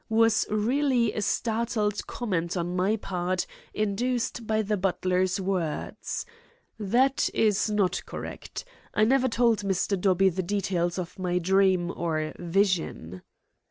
was really a startled comment on my part induced by the butler's words. That is not correct. I never told Mr. Dobbie the details of my dream, or vision."